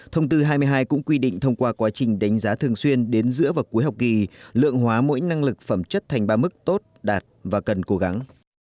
thông tư hai mươi hai cũng quy định thông qua quá trình đánh giá thường xuyên đến giữa và cuối học kỳ lượng hóa mỗi năng lực phẩm chất thành ba mức tốt đạt và cần cố gắng